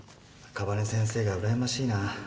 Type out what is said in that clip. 赤羽先生がうらやましいな